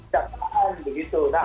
jaksa agung begitu